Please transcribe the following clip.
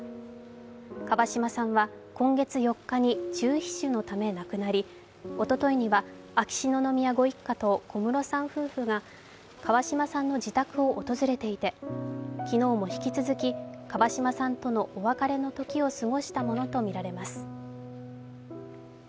川嶋さんは今月４日に中皮腫のため亡くなりおとといには秋篠宮ご一家と小室さん夫婦が川嶋さんの自宅を訪れていて、昨日も引き続き川嶋さんとのお別れの時を過ごしたものとみられます。